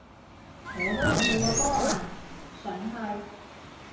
我都未去過波蘭，想去